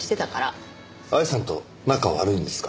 愛さんと仲悪いんですか？